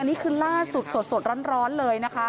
อันนี้คือลาดสุดร้อนเลยนะคะ